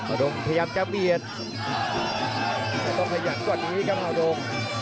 อ่าวดงพยายามจะเบียดไม่ต้องพยายามกว่านี้ครับอ่าวดง